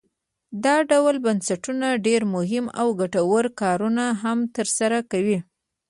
دا ډول بنسټونه ډیر مهم او ګټور کارونه هم تر سره کوي.